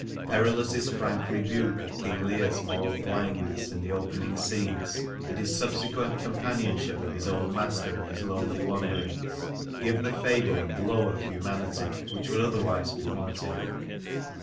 Perillus's frank rebuke of King Leir's moral blindness in the opening scenes and his subsequent companionship of his old master in his lonely wanderings, give the fable a glow of humanity which would otherwise be wanting.